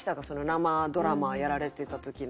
生ドラマやられてた時の。